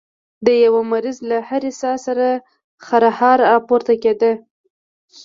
د يوه مريض له هرې ساه سره خرهار راپورته کېده.